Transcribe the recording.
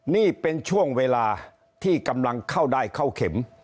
นี่เป็นช่วงเวลาที่กำลังเข้าได้เข้าเข็ม